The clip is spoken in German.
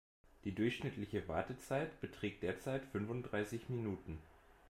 Die durchschnittliche Wartezeit beträgt derzeit fünfunddreißig Minuten.